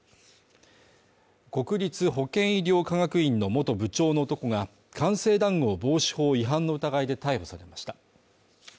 国立保健医療科学院の元部長の男が官製談合防止法違反の疑いで逮捕されました。